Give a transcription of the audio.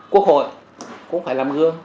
quốc hội cũng phải làm gương